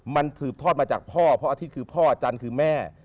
มันสืบทอดมาจากพ่อเพราะอาทิตย์คือพ่ออาจารย์คือแม่